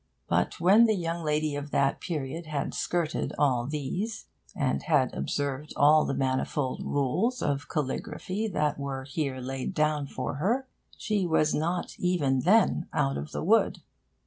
But when the young lady of that period had skirted all these, and had observed all the manifold rules of caligraphy that were here laid down for her, she was not, even then, out of the wood.